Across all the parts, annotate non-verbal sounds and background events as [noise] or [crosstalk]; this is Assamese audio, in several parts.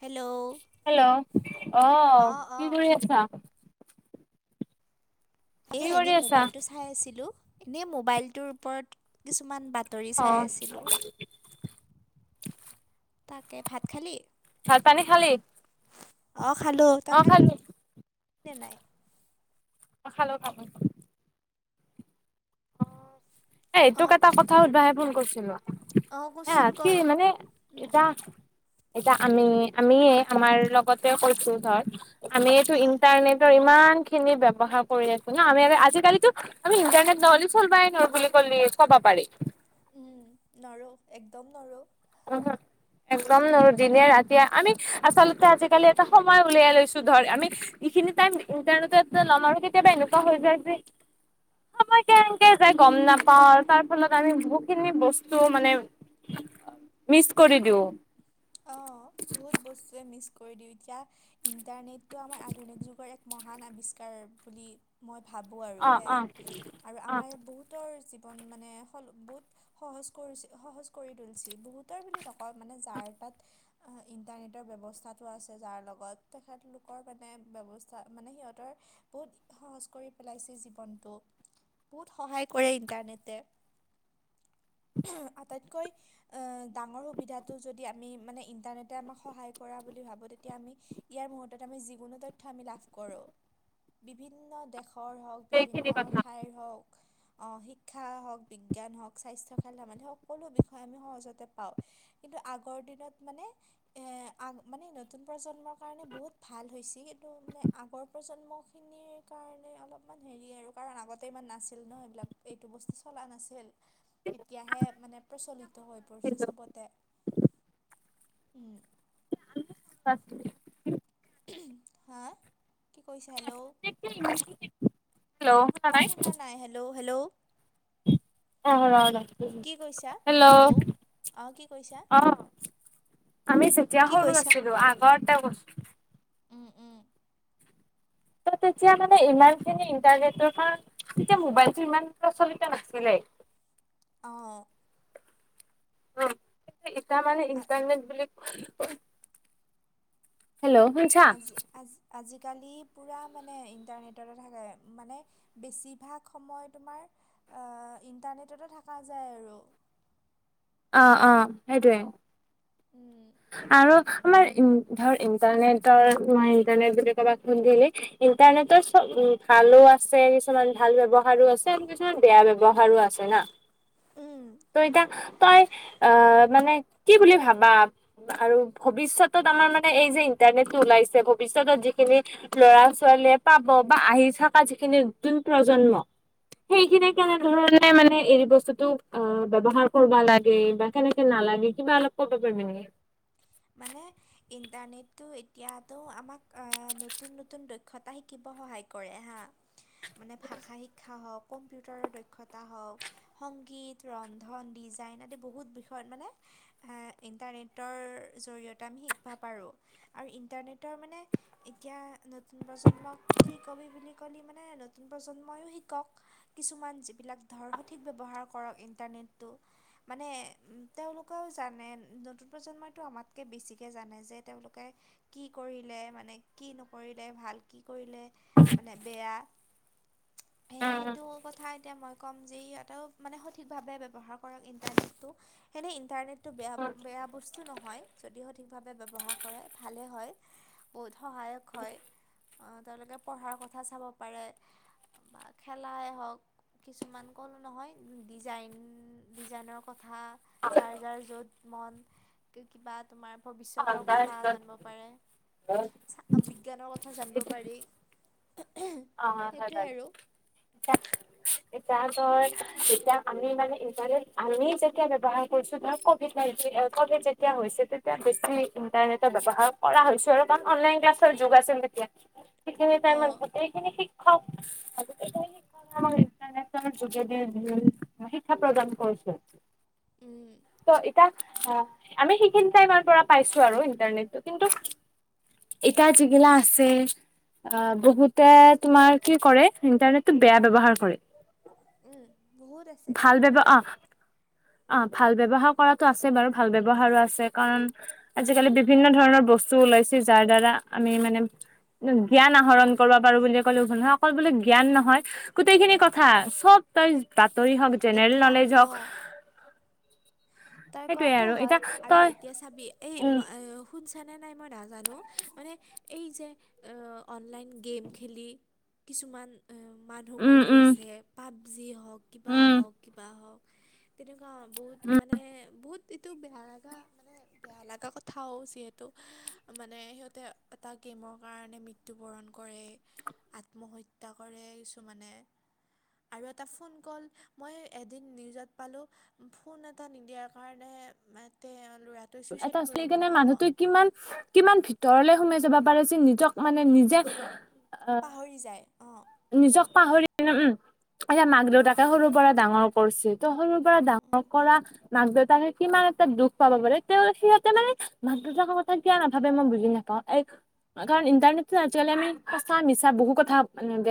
হেল্ল' হেল্ল, অ', অঁ কি অঁ কৰি আছা? এ কি কৰি এনেই আছা মোবাইলটো চাই আছিলো, এনে মোবাইলটোৰ ওপৰত কিছুমান বাট তৰি অ চাই আছিলোঁ। তাকে ভাত খালি? ভাত পানী খালি অ', খালো। অ তই খালি খালো নে নাই? অ', খালোঁ, খালোঁ। এ তোক অঁ এটা কথা সুধবাহে ফোন কৰিছিলো। অঁ হা, কচোন ক কি মানে এটিয়া এতিয়া আমি, আমিয়ে আমাৰ লগতে কৈছো ধৰ আমিটো অঁ ইণ্টাৰনেট ইমান খিনি ব্যৱহাৰ কৰি আছো ন আমি আজিকালিতো আমি ইন্টাৰনেট নহলি চল বাই নৰো বুলি কলি কব পাৰি। উম, নৰো একদম নৰো। [unintelligible] একদম নৰো দিনে ৰাতিয়ে আমি আচলতে আজিকালি এটা সময় উলিয়াই লৈছো ধৰ আমি এইখিনি টাইম ইণ্টাৰনেটত ল'ম আৰুো কেতিয়াবা এনেকুৱা হৈ যায় যে সময় কেনকে যায় গম নাপাও, তাৰ ফলত আমি বহু খিনি বস্তু মানে মিচ কৰি দিওঁ। অ', বহুত বস্তুৱে মিছ কৰি দিওঁ, এতিয়া ইণ্টাৰনেটটো আমাৰ আধুনিক যুগৰ এক মহান আৱিষ্কাৰ বুলি মই ভাবোঁ আৰু অ অ সেয়াই, আৰু অ আমাৰ য়াত বহুত তৰ জীৱন মানে হল বহুত সহজ কৰি সহজ কৰি তুলিছে, বহুতৰ বুলি নকওঁ মানে যাৰ তাত ইণ্টাৰনেটৰ ব্যৱস্থাটো আছে যাৰ লগত, তেখেতলোকৰ মানে ব্যৱস্থা- মানে সিহঁতৰ বহুত সহজ কৰি পেলাইছে জীৱনটো। বহুত সহায় কৰে ইণ্টাৰনেটে। আটাইতকৈ ডাঙৰ সুবিধাটো যদি আমি মানে ইণ্টাৰনেটে আমাক সহায় কৰা বুলি ভাবো তেতিয়া আমি ইয়াৰ মুহুৰৰ্তত আমি যিকোনো তথ্য় আমি লাভ কৰো। বিভিন্ন দেশৰ হওঁক সেইখিনি বিভিন্ন কথা ঠাইৰ হওক অ', শিক্ষা হওক, বিজ্ঞান হওক স্বাস্থ্য, খেল ধেমালি হওক, সকলো বিষয়ে আমি সহজতে পাও। কিন্তু আগৰ দিনত মানে এ আগ- মানে নতুন প্ৰজন্মৰ কাৰণে বহুত ভাল হৈছে, কিন্তু মানে আগৰ প্ৰজন্মক খিনিৰ কাৰণে অলপমান হেৰি আৰু কাৰণ আগতে ইমান নাছিল ন এইবিলাক এইটো বস্তু চলা নাছিল। এতিয়াহে মানে প্ৰচলিত হৈ পৰিছে হেল্ল' ছবতে। উম। [unintelligible] হা? কি কৈছা হেল্ল? [inaudible] হেল্ল শুনা মই শুনা নাই। Hello hello. অ', ৰ ৰ কি কৈছা হেল্ল। হেল্ল' অঁ কি কৈছা। অ', আমি যেতিয়া কি সৰু কৰিছা? আছিলো আগৰতে বস্তু উম, উম। ত' তেতিয়া মানে ইমান খিনি ইন্টাৰনেটৰ কাৰ তেতিয়া মোবাইলতটো ইমান প্ৰচলিত নাছিলে। অঁ'। অ', ইটা মানে ইণ্টাৰনেট বুলি ক হেল্ল শুনিছা। আজি আজ আজিকালি পূৰা মানে ইণ্টাৰনেটতে থাকে মানে বেছিভাগ সময় তোমাৰ ইণ্টাৰনেটতে থকা যায় আৰু। অ', অ', সেইটোয়ে। উম। আৰু আমাৰ ধৰ ইণ্টাৰনেটৰ ইণ্টাৰনেট বুলি ক'বাক সুধিলি ইণ্টাৰনেটৰ চব উ ভালো আছে কিছুমান ভাল ব্যৱহাৰ আছে আৰু কিছুমান বেয়া ব্যৱহাৰো আছে না। ত' এতিয়া তই আহ মানে কি বুলি ভাবা আৰু ভৱিষ্যতত আমাৰ মানে এই যে ইন্টাৰনেটটো ওলাইছে ভৱিষ্যতত যিখিনি ল'ৰা ছোৱালীয়ে পাব বা আহি থকা যিখিনি নতুন প্ৰজন্ম। সেই খিনি উম। কাৰনে ধৰি লোৱা মানে এ বস্তুতোক অ', ব্যৱহাৰ কৰিবা লাগে বা কেনেকে নালাগে কিবা অলপ কব পাৰিবি নেকি। মানে ইণ্টাৰনেটটো এতিয়াতো আমাক নতুন নতুন দক্ষতা শিকিব সহায় কৰে হা মানে ভাষা শিক্ষা হওক কম্পিউটাৰৰ দক্ষতা হওক সংগীত ৰন্ধন ডিজাইন আদি বহুত বিষয়ত মানে ইণ্টাৰনেটৰ জৰিয়তে আমি শিকিব পাৰোঁ আৰু ইণ্টাৰনেটৰ মানে এতিয়া নতুন প্ৰজন্মক কি কবি বুলি কলি মানে নতুন প্ৰজন্মইও শিকক। কিছুমান যিবিলাক ধৰ সঠিক ব্যৱহাৰ কৰক ইণ্টাৰনেটটো। মানে উ তেওঁলোকেও জানে নতুন প্ৰজন্মইতো আমাক কৈ বেছিকৈ জানে যে তেওঁলোকে কি কৰিলে মানে কি নকৰিলে ভাল কি কৰিলে মানে বেয়া স উম উম সেইটো কথা এতিয়া মই কম যি ইহঁতেও মানে সঠিকভাৱে ব্যৱহাৰ কৰক ইণ্টাৰনেটটো সেনেই ইণ্টাৰনেট এইটো বেয়া উম, বেয়া বস্তু নহয়। যদি সঠিকভাৱে ব্যৱহাৰ কৰে ভালে হয়, বহুত সহায়ক হয়। তেওঁলোকে পঢ়াৰ কথা চাব পাৰে বা খেলাই হওক কিছুমান কলো নহয় ডিজাইন ডিজাইনৰ কথা কথা যাৰ যাৰ য'ত মন। কিবা তোমাৰ অ ভৱিষ্যতৰ কথা জানিব বাৰু। পাৰে। বিজ্ঞানৰ কথা জানিব পাৰি। [inaudible] সেইটোৱে আৰু এতিয়া ধৰ এতিয়া আমি মানে ইটাৰনেট আমি যেতিয়া ব্যৱহাৰ কৰিছো ধৰ ক ক'ভিড যেতিয়া হৈছে তেতিয়া বেছি ইন্টাৰনেটৰ ব্যৱহাৰ কৰা হৈছো আৰু কাৰণ অনলাইন ক্লাছ ৰ যোগ আছিল তেতিয়া সেইখিনি টাইমত গোটেইখিনি শিক্ষক ইণ্টাৰনেটৰ যোগেদি যি খিনি শিক্ষা প্ৰদান কৰিছে। উম। ত' এতিয়া আ, আমি সেইখিনিত টাইমৰ পৰা পাইছোঁ আৰু ইণ্টাৰনেটটো কিন্তু এটায়া যিগিলা আছে আ বহু তে তোমাৰ কি কৰে ইণ্টাৰনেটটো বেয়া ব্যৱহাৰ কৰে। উম বহুত আছে ভাল ব্যব তেনেকুৱা অ অ' ভাল ব্যৱহাৰ কৰাতো আছে বাৰু, ভাল ব্যৱহাৰো আছে কাৰণ আজিকালি বিভিন্ন ধৰণৰ বস্তু ওলাইছে যাৰ দ্বাৰা আমি মানে জ্ঞান আহৰণ কৰিব পাৰোঁ বুলি ক'লেও ভ নহয়, অকল বোলে জ্ঞান নহয় গোটেইখিনি কথা, চব তই বাতৰি হওঁক, জেনেৰেল এতিয়া নলেজ অ হওঁক তই কোৱাটোও আৰু হয় এতিয়া আৰু তই এতিয়া চাবি এই উম [unintelligible] শুন চানে নাই মই নাজানো, মানে এই যে অনলাইন গেম খেলি কিছুমান মানুহ উম মৰি উম আছে। পাবজি হওঁক কিবা উম হওঁক কিবা হওঁক তেনেকুৱা বহুত উম মানে বহুত এইটো বেয়া লাগা মানে বেয়া লগা কথাও যিহেতু মানে সিহঁতে এটা গেমৰ কাৰণে মৃত্য ত্যুবৰণ কৰে, আত্মহত্যা কৰে কিছুমানে। আৰু এটা ফোন কল, মই এদিন নিউজত পালোঁ ফোন এটা নিদিয়াৰ কাৰণেহে [unintelligible] এটা [unintelligible] মানুহতো কিমান কিমান ভিতৰলে সোমাই যাব পাৰে যে নিজক মানে নিজে অ পাহৰি যায় অ'। নিজক পাহৰি উম, এতিয়া মাক দেউতাকে সৰু পৰা ডাঙৰ কৰিছে ত' সৰু পৰা ডাঙৰ কৰা মাক দেউতাকে কিমান এটা দুখ পাব পাৰে। তৌ সিহঁতে মানে মাক দেউতাকৰ কথা কিয়া নাভাবে মই বুজি নাপাওঁ। এই কাৰণ ইণ্টাৰনেটটোত আজিকালি আমি সঁচা মিছা বহু কথা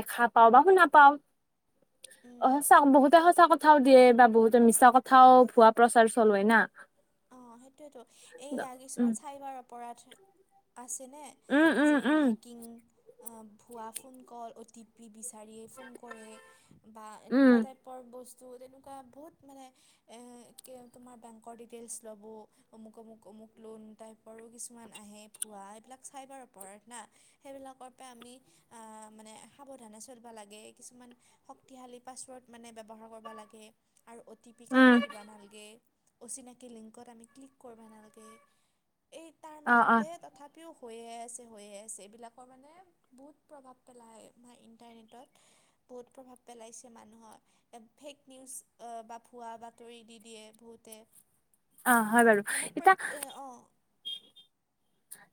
দেখা পাওঁ বা শুনা পাওঁ। উম অ' সঁচা বহুত তে সঁচা কথাও দিয়ে বা বহুতে মিছা কথাও ভুৱা প্ৰচাৰ চলে না। অ' সেইটোৱেতো। এইয়া উম কিছুমান চাইবাৰ অপৰাধ আছেনে? উম উম যে উম হেকিং, ভোৱা phone call, O T P বিচাৰি ফোন কৰে বা উম এনেকুৱা টাইপ পৰ বস্তু তেনেকুৱা বহুত মানে এ, কে তোমাৰ বেংকৰ ডিটেইলছ ল'ব অমুক অমুক অমুক লোন টাইপৰো কিছুমান আহে ভুৱা, এইবিলাক চাইবাৰ অপৰাধ না। সেইবিলাকৰ পৰা আমি আ, মানে সাৱধানে চলিব লাগে, কিছুমান শক্তিশালী পাছৱৰ্ড মানে ব্যৱহাৰ কৰিব লাগে। আৰু অ টি পি উম কাকো দিবা নালাগে। অচিনাকি লিংকত আমি ক্লিক কৰিব নালগে। এই তাৰ অ অ মাজতে [unintelligible] পিও হৈয়ে আছে, হৈয়ে আছে। এইবিলাকৰ মানে বহুত প্ৰভাৱ পেলাই মা ইণ্টাৰনেটত বহুত প্ৰভাৱ পেলাইছে মানুহৰ। ফেক নিউজ বা ভুৱা বাতৰি দি দিয়ে বহুতে। অ' হয় বাৰু। মানে প্ৰ এতিয়া অঁ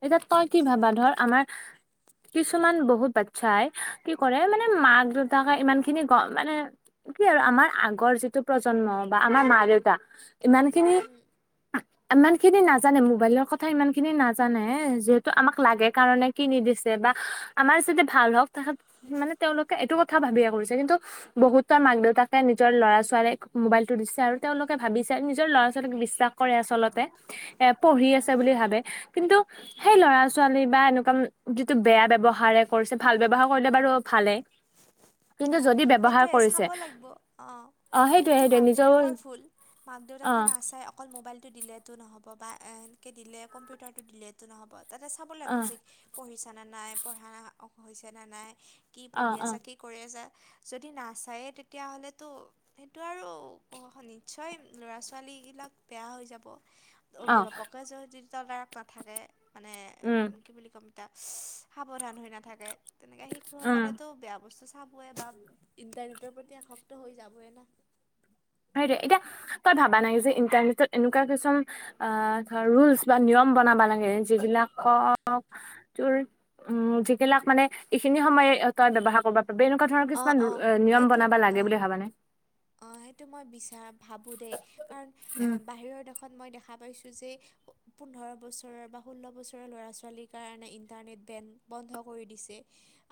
এতিয়া তই কি কিবা ভাবা, ধৰ এটা আমাৰ কিছুমান বহুত বাচ্ছাই কি কৰে মানে উম মাক দেউতাক ইমানখিনি গ মানে কি আৰু আমাৰ আগৰ যিটো প্ৰজন্ম বা আমাৰ মা দেউতা ইমানখিনি, উম ইমানখিনি নাজানে, মোবাইলৰ কথা ইমানখিনি নাজা জানে যিহেতু আমাক লাগে কাৰণে কিনি দিছে বা আমাৰ যাতে ভাল হওঁক তাহাত মানে তেওঁলোকে এইটো কথা ভাবিয়ে কৰিছে, কিন্তু বহুতৰ মাক, দেউতাকে নিজৰ ল'ৰা, ছোৱালীক মোবাইলটো দিছে আৰু তেওঁলোকে ভাবিছে আৰু নিজৰ ল'ৰা, ছোৱালীক বিশ্বাস কৰে আচলতে এ, পঢ়ি উম আছে বুলি ভাবে, কিন্তু উম সেই ল'ৰা, ছোৱা বা এনেকুৱা যিটো বেয়া ব্যৱহাৰে কৰিছে, ভাল ব্যৱহাৰ কৰিলে বাৰু ভালেই। অ', সেইটোৱে চাব লাগব, অ'। সেইটোয়ে সেইটো সেইটোয়ে মাক, নিজৰ দেউতাকৰ ভুল, মাক, অ দেউতাকে নাচায় অক অকল মোবাইলটো দিলেতো নহ'ব বা এনকে দিলে কম্পিউটাৰটো দিলেতো নহ'ব। তাতে চাব অ লাগিব যে, পঢ়িছানে নাই, পঢ়া হৈছেনে নাই, কি অ পঢ়ি অ আছা, কি কৰি আছা, যদি নাচায়েই তেতিয়াহ'লেতো সেইটো আৰু নিশ্চয়, ল'ৰা, ছোৱালীগিলাক বেয়া হৈ যাব। অ অভিভাৱকে য-যি তদাৰক নাথাকে, মানে উম কি বুলি ক'ম এতিয়া, সাৱধান হৈ নাথাকে তেনেকে উম শিশুসকলেতো বেয়া বচ ভাবোয়ে বা ইণ্টাৰনেটৰ প্ৰতি আসক্ত হৈ যাবই না। হেইটোৱে এতিয়া তই ভাবা নাই যে, ইণ্টাৰনেটত এনেকুৱা কিছুমান আ, ধৰ ৰুলচ বা নিয়ম বনাব লাগে যিবিলাকক তোৰ উম, যিগিলাক মানে এইখিনি সময়ে তই ব্যৱহাৰ কৰিব পাৰিবি এনেকুৱা ধৰ অ কিছুমান অ এই, নিয়ম এইটো বনাবা লাগে বুলি ভাবানে? অ', সেইটো মই বিচাৰ ভাবোঁ দেই, কাৰণ এ, উম বাহিৰৰ দেশ ত, মই দেখা পাইছোঁ যে, পোন্ধৰ বছৰৰ বা ষোল্ল বছৰৰ ল'ৰা, ছোৱালীৰ কাৰণে ইণ্টাৰনেট বেণ্ড বন্ধ কৰি দিছে।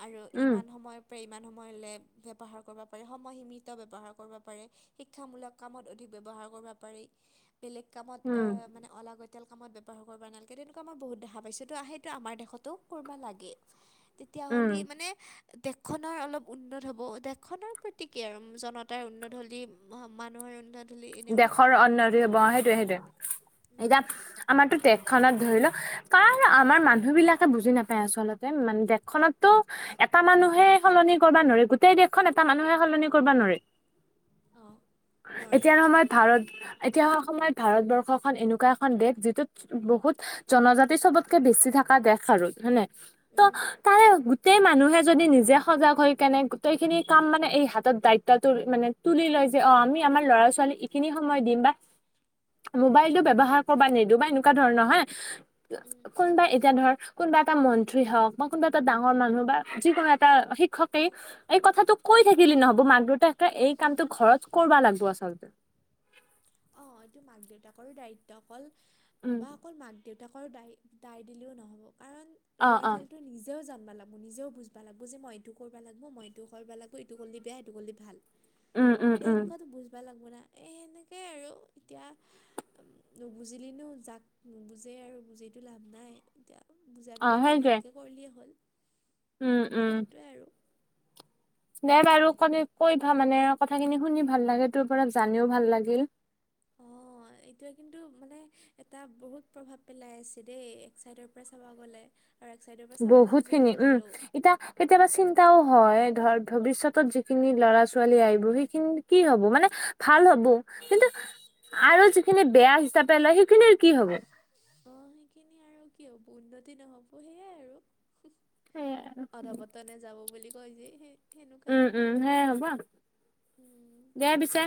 আৰু উম ইমান সময়ৰ পৰা, ইমান সময়লৈ ব্যৱহাৰ কৰিব পাৰি সময়সীমিত ব্যৱহাৰ কৰিব পাৰে, শিক্ষামূলক কামত অধিক ব্যৱহাৰ কৰিব পাৰি, বেলেগ কামত আ, উম মানে অলাগতিয়াল কামত ব্যৱহাৰ কৰিব নালাগে, তেনেকুৱা মই বহুত দেখা পাইছোঁ, ত' সেইটো আমাৰ দেশতো কৰিব লাগে। [inaudible] উম তেতিয়াহ'লে মানে দেশখনৰ অলপ উন্নত হ'ব, দেশখনৰ প্ৰতি কি আৰু জনত তাৰ উন্নত হ'লি, মানুহৰ উন্নত হ'লি, এনেও দেশখন উন্নতি হ'ব। সেইটোয়ে, সেইটোয়ে এতিয়া আমাৰো দেশখনত ধৰি ল কাৰ আমাৰ মানুহবিলাকে বুজি নাপায় আচলতে, মানে দেশখনতো এটা মানুহে সলনি কৰিবা নোৱাৰে, গোটেই দেশখন এটা মানুহে সলনি কৰিবা নোৱাৰে। অ', নোৱাৰে। এতিয়াৰ সময়ত ভাৰত এতিয়া অসমত ভাৰতবৰ্ষখন এনেকুৱা এখন দেশ, যিটোত বহুত জনজাতি চবতকে বেছি থকা দেশ আৰু হয়নে? ত' উম, তাৰে গোটেই মানুহে যদি নিজে সজাগ হৈ কেনে গোটেইখিনি কাম মানে এই হাতত দায়িত্বটোৰ মানে তুলি লয় যে, অ', আমি আমাৰ ল'ৰা ছোৱালী ইখিনি সময় দিম, বা মোবাইলটো ব্যৱহাৰ কৰবা নিদো বা এনেকুৱা ধৰণৰ হয় উম। কোনোবা এতিয়া ধৰ কোনোবা এটা মন্ত্ৰী হওঁক, বা কোনোবা এটা ডাঙৰ মানুহ বা, যিকোনো এটা শিক্ষকেই এই কথাটো কৈ থাকিলি নহ'ব মাক, দেউতাকে এই কামটো ঘৰত কৰবা লাগিব আচলতে। অ', এইটো মাক দেউতাকৰো দায়িত্ব অকল উম বা অকল মাক, দেউতাকৰ দায়, দায় দিলেও নহ'ব, কাৰণ অ' ল'ৰা, অ' ছোৱালীটোৱে নিজেও জানিব লা মোৰ নিজেও বুজবা লাগবো যে, মই এইটো কৰব লাগব, মই এইটো কৰব লাগব, এইটো কৰিলে বেয়া, এইটো কৰিলে ভাল। উম, উম, উম, সেনেকুৱাতো বুজবা লাগব না? এ সেনেকে আৰু এতিয়া নুবুজিলেও যাক নুবুজে আৰু বুজিটো লাভ নাই। এতিয়া অ', বুজাবিলাকে সেইটোৱে ভালকৈ কৰিলেই হ'ল। উম, উম। সেইটোৱে আৰু দে বাৰু কলি কৈ ভা মানে কথাখিনি শুনি ভাল লাগে। তোৰ পৰা জানিও ভাল লাগিল। অঁ [inaudible] এইটোৱে কিন্তু মানে, এটা বহুত প্ৰভাৱ পেলাই আছে দেই, এক চাইডৰ পৰা চাব গ'লে। আৰু এক চাইডৰ পৰা চাব গ'লে খিনি বহুত উম, ভালো। এতিয়া কেতিয়াবা চিন্তাও হয় ধৰ, ভৱিষ্যতত যিখিনি লৰা ছোৱালী আহিব সেইখিনি কি হব মানে ভাল হ'ব, কিন্তু আৰু যিখিনি বেয়া হিচাপে লয় সেইখিনিৰ কি হ'ব। অ' সেইখিনি আৰু কি হব, উন্নতি নহব সেইয়াই আৰু। সেয়াই আৰু। অধপতনে যাব বুলি কয় যে সেই সেনেকুৱাই উম, হ'ব উম, আৰু সেয়াই হ'ব উম। দে পিছে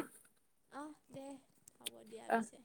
আহ দে হ'ব দিয়া অ'। পিছে।